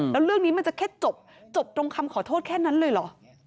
แล้วเรื่องนี้มันจะแค่จบตรงคำขอโทษแค่นั้นเลยเหรอ